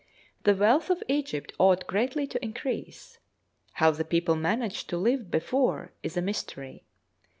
The wealth of Egypt ought greatly to increase. How the people managed to live before is a mystery.